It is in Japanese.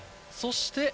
そして。